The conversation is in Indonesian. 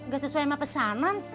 gak sesuai sama pesanan